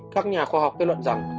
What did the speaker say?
các nhà khoa học kết luận rằng